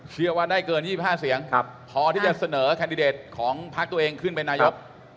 เชื่อว่าได้เกิน๒๕เสียงพอที่จะเสนอแคนดิเดตของพักตัวเองขึ้นเป็นนายก